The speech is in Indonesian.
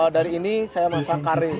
dari ini saya masak kare